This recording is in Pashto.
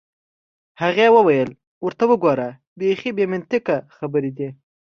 هغې وویل: ورته وګوره، بیخي بې منطقه خبرې دي.